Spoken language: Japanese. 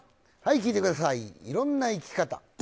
聴いてください「色んな生き方」。